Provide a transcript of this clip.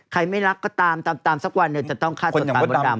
ใครไม่รักก็ตามตามตามสักวันเนี่ยจะต้องฆ่าสัตว์ตามมดดำอ่ะ